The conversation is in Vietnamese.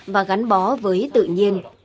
và gắn bó với tự nhiên